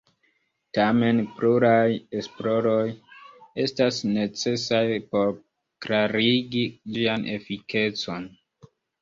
Tamen, pluraj esploroj estas necesaj por klarigi ĝian efikecon.